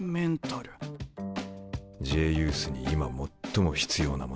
Ｊユースに今最も必要なものさ。